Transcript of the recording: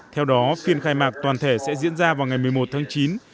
theo đó phiên khai mạc toàn thể sẽ diễn ra vào ngày một mươi một tháng chín